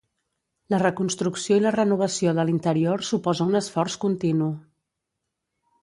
La reconstrucció i la renovació de l'interior suposa un esforç continu.